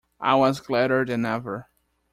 I was gladder than ever.